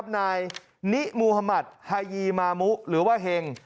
นายนิมูฮมัติฮายีมามุหรือว่าเห็ง